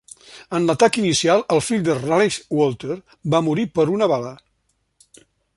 En l'atac inicial, el fill de Raleigh Walter va morir per una bala.